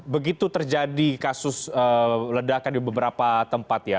begitu terjadi kasus ledakan di beberapa tempat ya